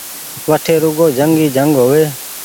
وٺي روڳو جنگ ئي جنگ هووي